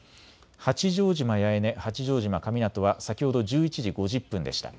八丈島八重根、八丈島神湊は先ほど１１時５０分でした。